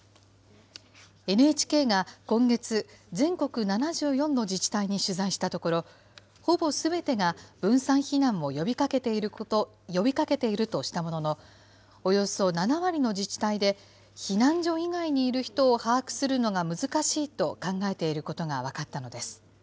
ＮＨＫが今月、全国７４の自治体に取材したところ、ほぼすべてが分散避難を呼びかけているとしたものの、およそ７割の自治体で、避難所以外にいる人を把握するのが難しいと考えていることが分かったのです。